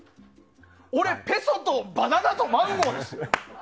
俺、ペソとバナナとマンゴーですよ。